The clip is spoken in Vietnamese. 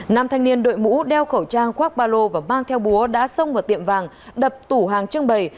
nam thanh niên đội mũ đeo khẩu trang khoác ba lô và mang theo búa đã xông vào tiệm vàng đập tủ hàng trưng bày